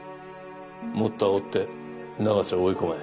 もっとあおって永瀬を追い込め。